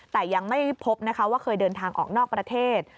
แต่ยังไม่พบนะคะว่าเคยเดินทางออกนอกประเทศ